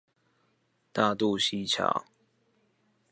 大肚溪橋